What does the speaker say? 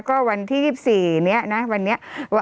ก็วันที่๒๔นี้นะวันนี้